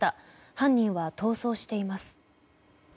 犯人は逃走しています。